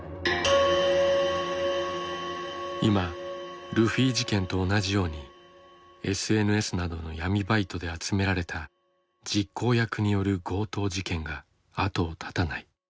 今ルフィ事件と同じようにＳＮＳなどの闇バイトで集められた実行役による強盗事件が後を絶たない。